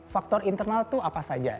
faktor internal itu apa saja